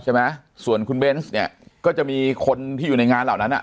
ใช่ไหมส่วนคุณเบนส์เนี่ยก็จะมีคนที่อยู่ในงานเหล่านั้นอ่ะ